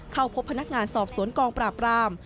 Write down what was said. เข้าพบพนักงานสอบสวนกองปราบราม